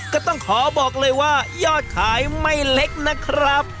ก็ต้องขอบอกเลยว่ายอดขายไม่เล็กนะครับ